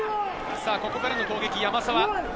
ここからの攻撃、山沢。